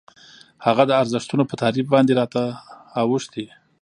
هغه د ارزښتونو په تعریف باندې راته اوښتي.